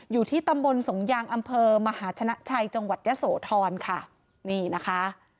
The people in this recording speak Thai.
อยู่ที่ตำบลสงยางอำเภอมหาชนะชัยจังหวัดยะโสธรค่ะนี่นะคะ